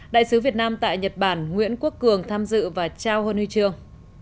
đại sứ việt nam tại nhật bản nguyễn quốc cường tham dự và trao huân huy trương